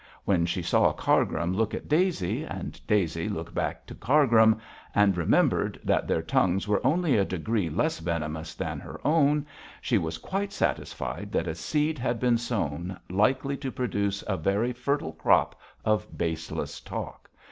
When she saw Cargrim look at Daisy, and Daisy look back to Cargrim, and remembered that their tongues were only a degree less venomous than her own, she was quite satisfied that a seed had been sown likely to produce a very fertile crop of baseless talk.